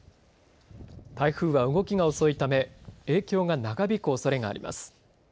台風は動きが遅いため影響が長引くおそれがあります。